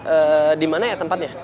eee dimana ya tempatnya